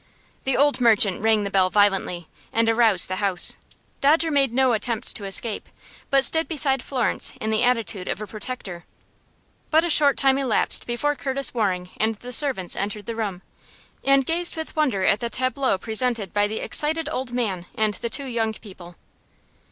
The old merchant rang the bell violently, and aroused the house. Dodger made no attempt to escape, but stood beside Florence in the attitude of a protector. But a short time elapsed before Curtis Waring and the servants entered the room, and gazed with wonder at the tableau presented by the excited old man and the two young people.